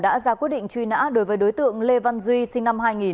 đã ra quyết định truy nã đối với đối tượng lê văn duy sinh năm hai nghìn